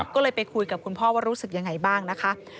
ก็เลยไปคุยกับคุณพ่อว่ารู้สึกยังไงบ้างนะคะ